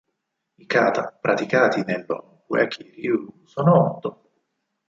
I Kata praticati nello Uechi-ryū sono otto.